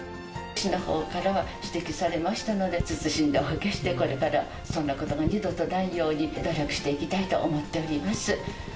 市のほうから指摘されましたので、謹んでお受けして、これから、そんなことが二度とないように努力していきたいと思っております。